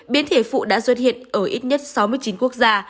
biến thể phụ đã xuất hiện ở ít nhất sáu mươi chín quốc gia